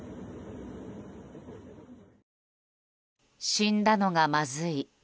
死んだのがまずい。